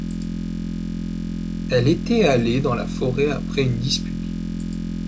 Elle était allée dans la forêt après une dispute.